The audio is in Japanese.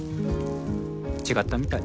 違ったみたい。